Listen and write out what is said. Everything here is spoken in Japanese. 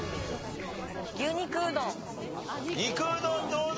肉うどんどうだ？